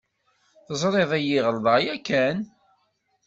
Teẓriḍ-iyi ɣelḍeɣ yakan?